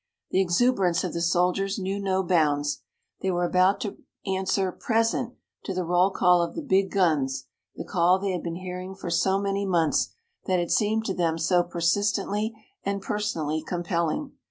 The exuberance of the soldiers knew no bounds. They were about to answer "present" to the roll call of the big guns, the call they had been hearing for so many months, that had seemed to them so persistently and personally compelling.